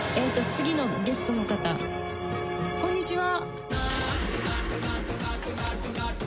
次のゲストの方こんにちは